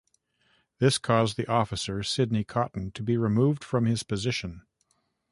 This caused the officer Sidney Cotton to be removed from his position.